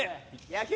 野球！